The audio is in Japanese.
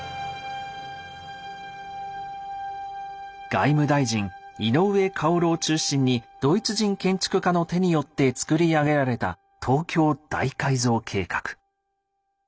外務大臣・井上馨を中心にドイツ人建築家の手によって作り上げられた東京大改造計画。